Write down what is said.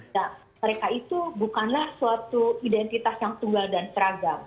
nah mereka itu bukanlah suatu identitas yang tunggal dan seragam